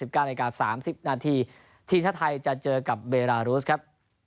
๙นาที๓๐นาทีทีมชาติไทยจะเจอกับเบรารุสครับ